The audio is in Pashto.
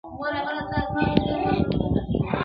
هسي پر دښت د ژمي شپه وه ښه دى تېره سوله,